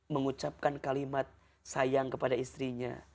mengucapkan kalimat sayang kepada istrinya